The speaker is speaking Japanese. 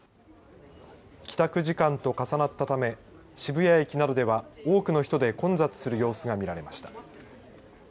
帰宅時間と重なったため渋谷駅などでは多くの人で混雑する様子が見られました。